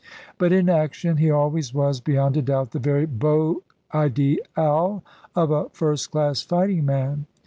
But in action he always was, beyond a doubt, the very beau ideal of a * first class fighting man.'